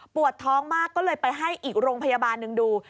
ท้องมากก็เลยไปให้อีกโรงพยาบาลหนึ่งดู